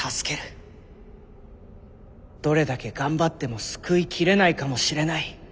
どれだけ頑張っても救い切れないかもしれない。